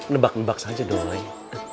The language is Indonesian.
nebak nebak saja dong